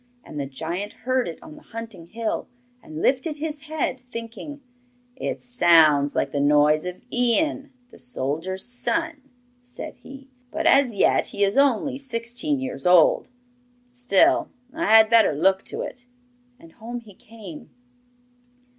And the giant heard it on the hunting hill, and lifted his head, thinking 'It sounds like the noise of Ian, the soldier's son,' said he; 'but as yet he is only sixteen years old. Still, I had better look to it.' And home he came.